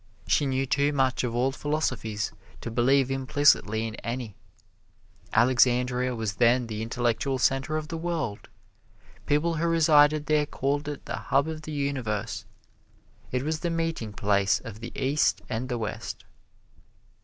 She knew too much of all philosophies to believe implicitly in any. Alexandria was then the intellectual center of the world. People who resided there called it the hub of the universe. It was the meeting place of the East and the West.